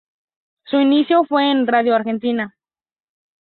Su inicio fue en Radio Argentina.